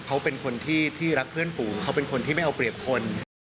เขาเป็นคนที่รักเพื่อนฝูงเขาเป็นคนที่ไม่เอาเปรียบคน